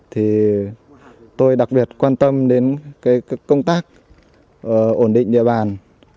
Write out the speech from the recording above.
thì tôi đặc biệt quan tâm đến công tác ổn định địa bàn